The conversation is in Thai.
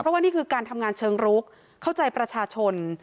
เพราะว่านี่คือการทำงานเชิงรุกเข้าใจประชาชน